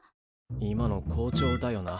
今の校長だよな。